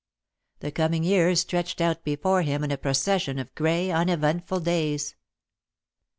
The coming years stretched out before him in a procession of grey, uneventful days.